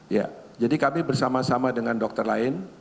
ya jadi kami bersama sama dengan dokter lain